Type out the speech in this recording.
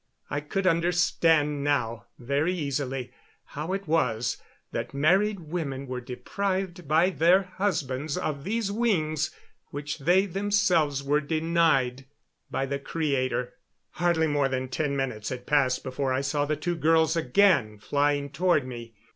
I could understand now very easily how it was that married women were deprived by their husbands of these wings which they themselves were denied by the Creator. Hardly more than ten minutes had passed before I saw the two girls again flying toward me.